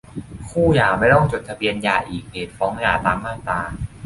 คู่หย่าไม่ต้องจดทะเบียนหย่าอีก เหตุฟ้องหย่า ตามมาตรา